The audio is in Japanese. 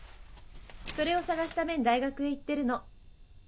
それを探すために大学へ行ってるの。